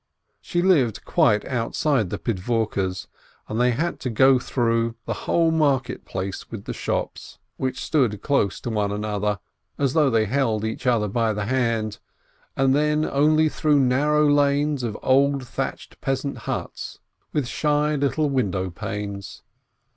She lived quite out side the Pidvorkes, and they had to go through the whole 468 BLINKIN market place with the shops, which stood close to one another, as though they held each other by the hand, and then only through narrow lanes of old thatched peasant huts, with shy little window panes.